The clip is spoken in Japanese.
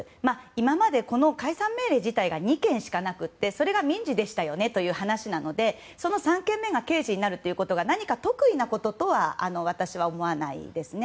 今までこの解散命令が２件しかなくてそれが民事でしたよねという話なのでその３件目が刑事になるということが何か特異なこととは私は思わないですね。